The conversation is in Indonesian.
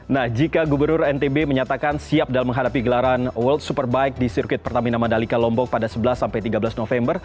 nah jika gubernur ntb menyatakan siap dalam menghadapi gelaran world superbike di sirkuit pertamina mandalika lombok pada sebelas tiga belas november